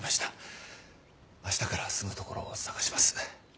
明日から住む所を探します。